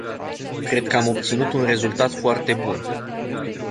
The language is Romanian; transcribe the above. Cred că am obținut un rezultat foarte bun.